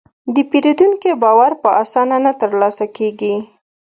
د پیرودونکي باور په اسانه نه ترلاسه کېږي.